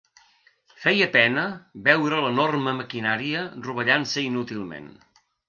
Feia pena veure l'enorme maquinària rovellant-se inútilment